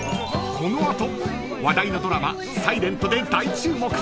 ［この後話題のドラマ『ｓｉｌｅｎｔ』で大注目］